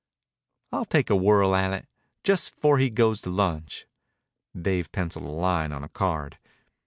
"I'll take a whirl at it. Jus' 'fore he goes to lunch." Dave penciled a line on a card.